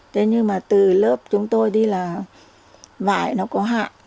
thế nhưng mà từ lớp chúng tôi đi là vải nó có hạ